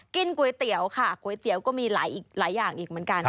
ก๋วยเตี๋ยวค่ะก๋วยเตี๋ยวก็มีหลายอย่างอีกเหมือนกัน